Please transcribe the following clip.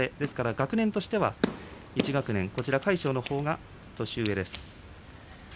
学年としては１学年魁勝のほうが年上です。